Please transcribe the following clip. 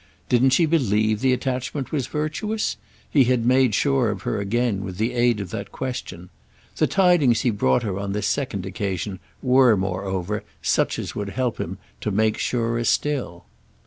Didn't she believe the attachment was virtuous?—he had made sure of her again with the aid of that question. The tidings he brought her on this second occasion were moreover such as would help him to make surer still.